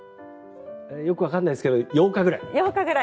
よくわからないですが８日ぐらい。